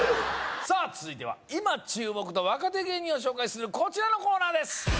さあ続いては今注目の若手芸人を紹介するこちらのコーナーです